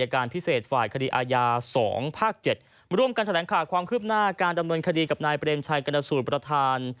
การดำเนินคดีกับนายเปรมชัยกรณสูตรประทาน